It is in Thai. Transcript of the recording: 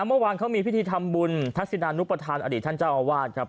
เมื่อวานเขามีพิธีทำบุญทักษินานุปทานอดีตท่านเจ้าอาวาสครับ